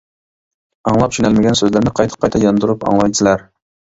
ئاڭلاپ چۈشىنەلمىگەن سۆزلەرنى قايتا-قايتا ياندۇرۇپ ئاڭلايسىلەر.